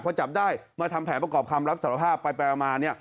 พอจับได้มาทำแผนประกอบคำรับสารภาพไปไปออกมาเนี้ย